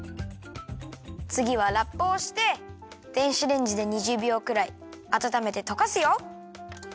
つぎはラップをして電子レンジで２０びょうくらいあたためてとかすよ！